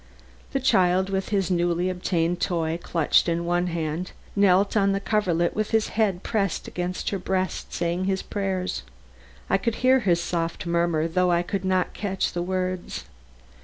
The child, with his newly obtained toy clutched in one hand, knelt on the coverlet with his head pressed against her breast, saying his prayers. I could hear his soft murmur, though I could not catch the words.